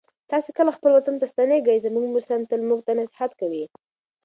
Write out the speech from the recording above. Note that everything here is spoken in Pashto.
تاسې کله خپل وطن ته ستنېږئ؟ زموږ مشران تل موږ ته نصیحت کوي.